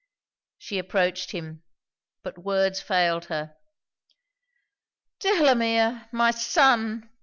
She approached him; but words failed her. 'Delamere! my son!'